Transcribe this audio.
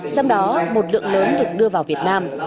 trong đó một lượng lớn được đưa vào việt nam